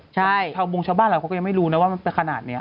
ชาวบวงชาวบ้านหลักเขาก็ยังไม่รู้นะว่ามันเป็นขนาดนี้